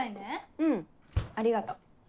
うんありがと。